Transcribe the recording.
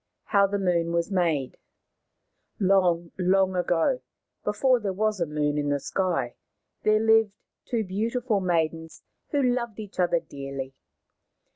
HOW THE MOON WAS MADE Long, long ago, before there was a moon in the sky, there lived two beautiful maidens who loved each other dearly.